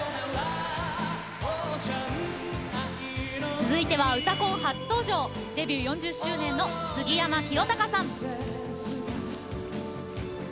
続いては「うたコン」初登場デビュー４０周年の杉山清貴さん。